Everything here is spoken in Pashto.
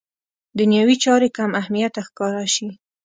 دنیوي چارې کم اهمیته ښکاره شي.